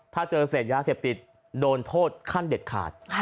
ถ้าเจอเสพยาเสพติดโดนโทษขั้นเด็ดขาด